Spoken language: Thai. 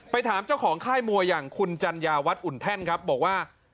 ถามเจ้าของค่ายมวยอย่างคุณจัญญาวัฒน์อุ่นแท่นครับบอกว่า